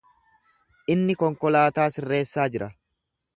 Inni konkolaataa sirreessaa jira.